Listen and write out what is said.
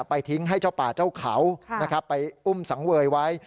ทิ้งให้เจ้าป่าเจ้าเขานะครับไปอุ้มสังเวยไว้